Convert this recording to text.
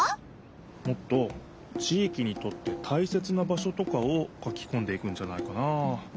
もっと地いきにとってたいせつな場所とかを書きこんでいくんじゃないかなあ。